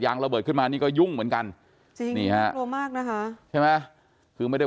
ยางระเบิดขึ้นมานี่ก็ยุ่งเหมือนกันจริงมากนะคะใช่ไหมคือไม่ได้